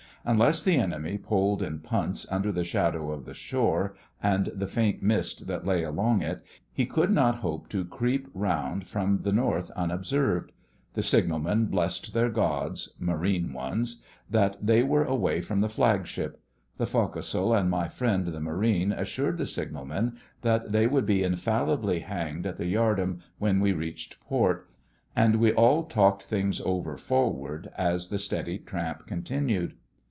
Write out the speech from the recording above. Unless the enemy poled in punts under the shadow of the shore and the faint mist that lay along it, he could not hope to creep round from the North unobserved. The signalmen blessed their gods—Marine ones—that they were away from the Flagship; the foc'sle and my friend the Marine assured the signalmen that they would be infallibly hanged at the yard arm when we reached port; and we all talked things over forward as the steady tramp continued.